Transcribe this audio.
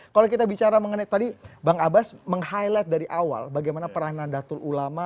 kalau kita bicara mengenai tadi bang abbas meng highlight dari awal bagaimana peranan datul ulama